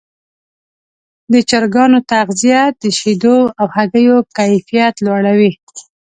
د چرګانو تغذیه د شیدو او هګیو کیفیت لوړوي.